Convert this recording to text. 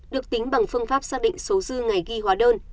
được tính bằng phương pháp xác định số dư ngày ghi hóa đơn